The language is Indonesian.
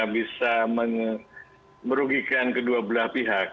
bisa merugikan kedua belah pihak